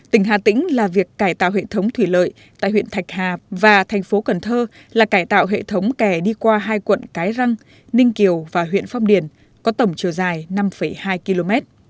tỉnh hà tĩnh là việc cải tạo hệ thống thủy lợi tại huyện thạch hà và thành phố cần thơ là cải tạo hệ thống kè đi qua hai quận cái răng ninh kiều và huyện phong điền có tổng chiều dài năm hai km